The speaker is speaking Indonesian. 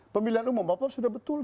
pemilihan umum bapak sudah betul